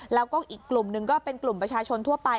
แล้วก็อีกกลุ่มหนึ่งก็เป็นกลุ่มประชาชนทั่วไป